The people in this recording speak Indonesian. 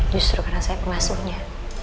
justru karena saya pengasuhnya